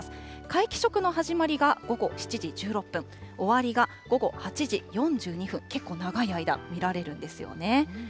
皆既食の始まりが午後７時１６分、終わりが午後８時４２分、結構長い間、見られるんですよね。